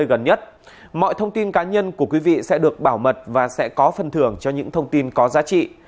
cơ quan cảnh sát điều tra bộ công an sẽ được bảo mật và sẽ có phân thưởng cho những thông tin có giá trị